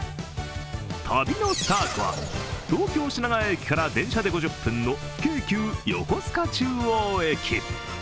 旅のスタートは、東京・品川駅から電車で５０分の京急・横須賀中央駅。